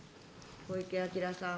小池晃さん。